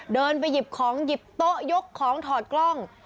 เดินไปหยิบของหยิบโต๊ะยกของถอดกล้อง